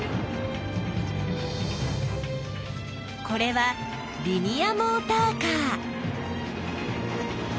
これはリニアモーターカー。